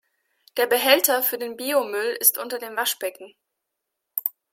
Der Behälter für den Biomüll ist unter dem Waschbecken.